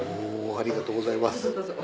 ありがとうございます。